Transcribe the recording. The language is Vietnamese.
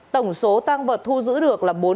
tổng số tăng vật thu giữ được là